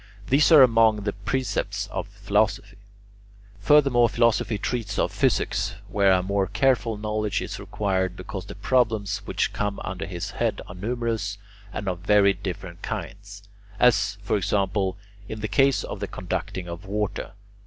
These are among the precepts of philosophy. Furthermore philosophy treats of physics (in Greek [Greek: physiologia]) where a more careful knowledge is required because the problems which come under this head are numerous and of very different kinds; as, for example, in the case of the conducting of water.